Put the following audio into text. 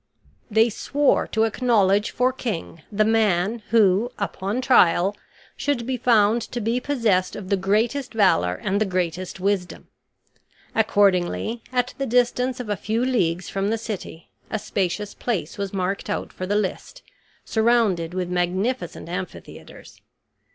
They swore to acknowledge for king the man who, upon trial, should be found to be possessed of the greatest valor and the greatest wisdom. Accordingly, at the distance of a few leagues from the city, a spacious place was marked out for the list, surrounded with magnificent amphitheaters.